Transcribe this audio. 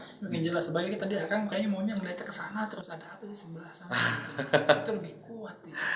semakin jelas sebagainya tadi akan kayaknya mau meletak ke sana terus ada apa di sebelah sana itu lebih kuat